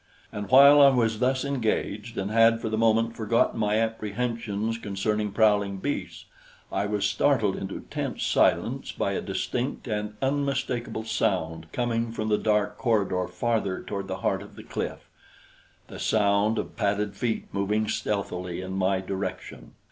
And while I was thus engaged and had for the moment forgotten my apprehensions concerning prowling beasts, I was startled into tense silence by a distinct and unmistakable sound coming from the dark corridor farther toward the heart of the cliff the sound of padded feet moving stealthily in my direction.